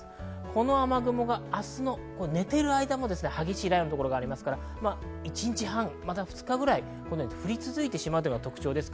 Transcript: この雨雲が明日の寝ている間も激しい雷雨の所がありますから、１日半、２日ぐらい降り続いてしまうのが特徴です。